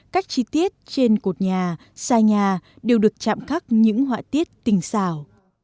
các chi tiết trên cột nhà xa nhà đều được chạm khắc những họa tiết tình xảo